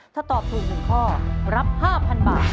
ถ้าตอบถูก๑ข้อรับ๕๐๐๐บาท